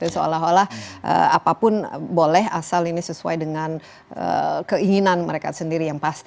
seolah olah apapun boleh asal ini sesuai dengan keinginan mereka sendiri yang pasti